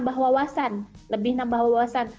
tambah wawasan lebih nambah wawasan